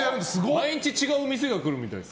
毎日違うお店が来るみたいです。